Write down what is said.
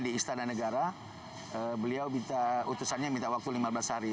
di istana negara beliau minta utusannya minta waktu lima belas hari